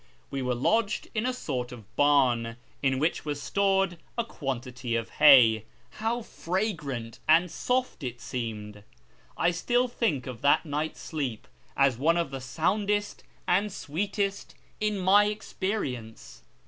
We were lodged in a sort of barn, in which was stored a quantity of hay. How fragrant and soft it seemed ! I still think of that night's sleep as one of the soundest and sweetest in my experience.